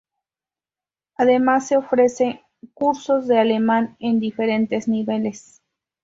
Además se ofrecen Cursos de Alemán en diferentes niveles.